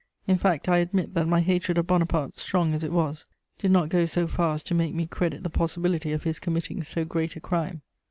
"In fact, I admit that my hatred of Bonaparte, strong as it was, did not go so far as to make me credit the possibility of his committing so great a crime.